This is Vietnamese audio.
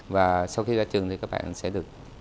và sau khi ra trường thì các bạn sẽ được